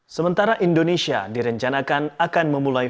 sementara indonesia direncanakan akan memulai